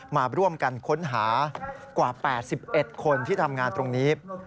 มาร่วมกันค้นหากว่า๘๑คนที่ทำงานตรงนี้